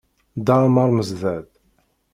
Dda Amer Mezdad